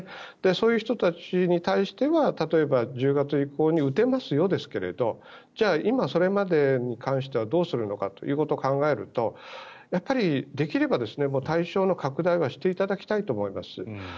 そういう人たちに対しては１０月以降に打てますよですけれどじゃあ今、それまでに関してはどうするのかということを考えるとできれば対象の拡大はしていただきたいと思います。